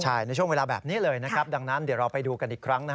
ใช่ในช่วงเวลาแบบนี้เลยนะครับดังนั้นเดี๋ยวเราไปดูกันอีกครั้ง